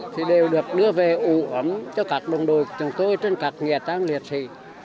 thì đều được đưa về ủ ấm cho các đồng đội của chúng tôi trên các nghệ trang liệt thị